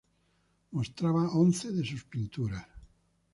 Mostraba once de sus pinturas.